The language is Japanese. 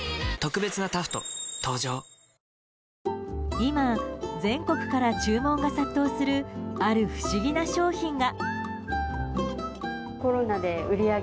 今、全国から注文が殺到するある不思議な商品が。